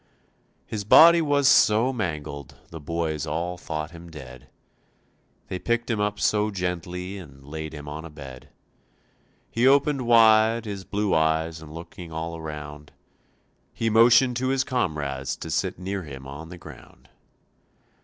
His body was so mangled the boys all thought him dead, They picked him up so gently and laid him on a bed; He opened wide his blue eyes and looking all around He motioned to his comrades to sit near him on the ground.